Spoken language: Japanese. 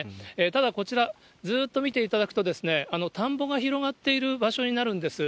ただこちら、ずっと見ていただくと、田んぼが広がっている場所になるんです。